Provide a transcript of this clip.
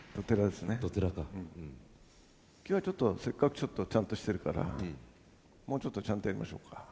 今日はちょっとせっかくちょっとちゃんとしてるからもうちょっとちゃんとやりましょうか。